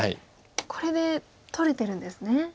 これで取れてるんですね。